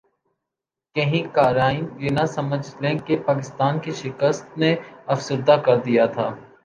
کہیں قارئین یہ نہ سمجھ لیں کہ پاکستان کی شکست نے افسردہ کردیا تھا